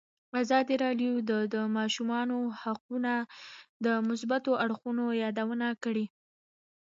ازادي راډیو د د ماشومانو حقونه د مثبتو اړخونو یادونه کړې.